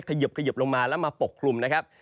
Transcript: ค่อยขยิบลงมาและมาปกคลุมนะครับ